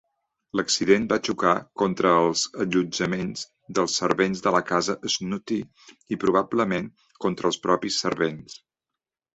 L'accident va xocar contra els allotjaments dels servents de la casa Snooty i, probablement, contra els propis servents.